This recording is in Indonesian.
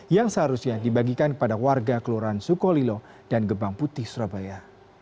yang seharusnya dibagikan kepada warga kelurahan sukolilo dan gebang putih surabaya